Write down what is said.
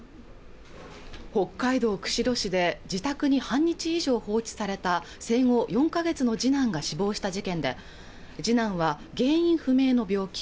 北海道釧路市で自宅に半日以上放置された生後４か月の次男が死亡した事件で次男は原因不明の病気